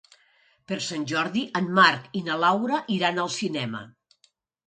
Per Sant Jordi en Marc i na Laura iran al cinema.